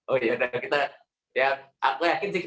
oh yaudah kita aku yakin sih